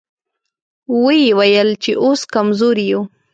ويې ويل چې اوس کمزوري يو.